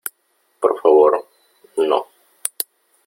por favor , no .